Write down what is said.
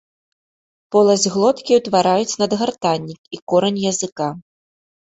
Поласць глоткі ўтвараюць надгартаннік і корань языка.